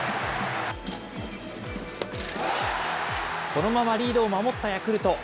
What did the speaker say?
このままリードを守ったヤクルト。